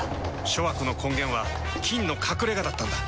諸悪の根源は「菌の隠れ家」だったんだ。